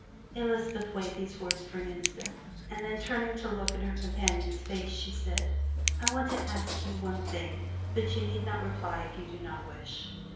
Elizabeth weighed these words for an instant, and then turning to look in her companion's face, she said: "I want to ask you one thing, but you need not reply if you do not wish.